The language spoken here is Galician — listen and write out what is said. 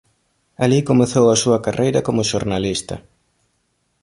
Alí comezou a súa carreira como xornalista.